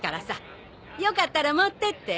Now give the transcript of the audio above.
よかったら持ってって。